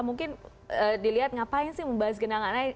mungkin dilihat ngapain sih membahas genangan air